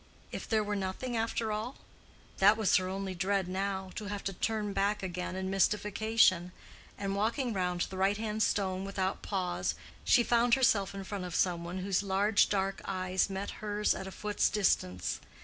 If there were nothing after all? That was her only dread now—to have to turn back again in mystification; and walking round the right hand stone without pause, she found herself in front of some one whose large dark eyes met hers at a foot's distance.